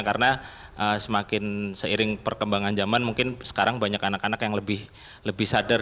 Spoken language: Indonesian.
karena semakin seiring perkembangan zaman mungkin sekarang banyak anak anak yang lebih sadar